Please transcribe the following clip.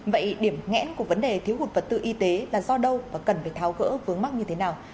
vậy điểm ngẽn của vấn đề thiếu hụt vật tư y tế là do đâu và cần phải tháo gỡ vướng mắc như thế nào